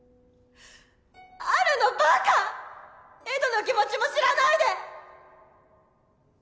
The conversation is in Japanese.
エドの気持ちも知らないで！